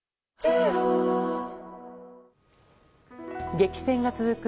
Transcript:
激戦が続く